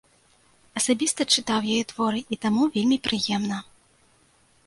Асабіста чытаў яе творы, і таму вельмі прыемна.